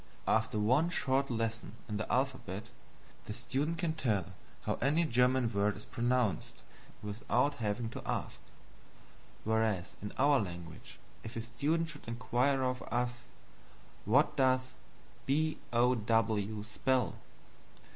After one short lesson in the alphabet, the student can tell how any German word is pronounced without having to ask; whereas in our language if a student should inquire of us, "What does B, O, W, spell?"